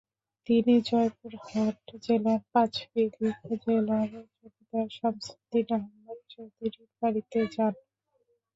তিনি জয়পুরহাট জেলার পাঁচবিবি উপজেলার জমিদার শামসুদ্দিন আহম্মদ চৌধুরীর বাড়িতে যান।